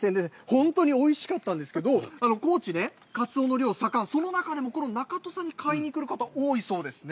本当においしかったんですけど高知でかつおの漁盛んその中でもこの中土佐で買いにくる方、多いそうですね。